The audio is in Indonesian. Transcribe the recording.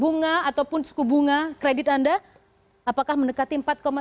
bunga ataupun suku bunga kredit anda apakah mendekati empat tujuh